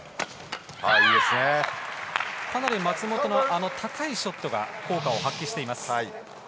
かなり松本の高いショットが効果を発揮しています。